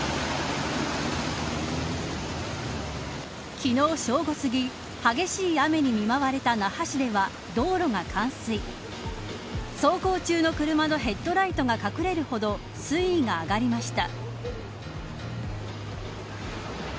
昨日正午すぎ、激しい雨に見舞われた那覇市では道路が冠水走行中の車のヘッドライトが隠れるほど水位が上がりました。